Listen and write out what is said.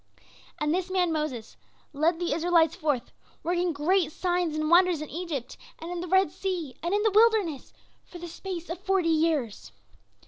And this man, Moses, led the Israelites forth, working great signs and wonders in Egypt, and in the Red Sea, and in the wilderness, for the space of forty years.